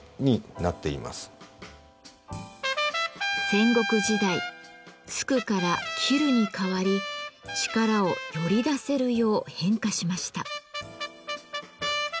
戦国時代突くから斬るに変わり力をより出せるよう変化しました。